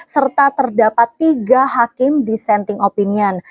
serta terdapat tiga hakim dissenting opinion